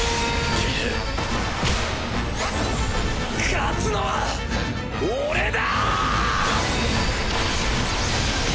勝つのは俺だ！！